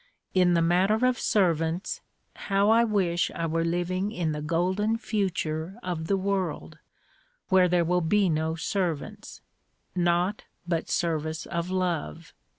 In the matter of servants, how I wish I were living in the golden future of the world, where there will be no servants naught but service of love.